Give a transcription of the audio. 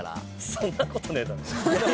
・そんなことねえだろ。